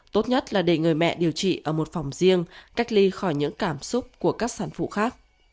tốt nhất là để người mẹ điều trị ở một phòng riêng cách ly khỏi những cảm xúc của các sản phụ khác